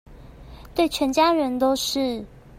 對全家人都是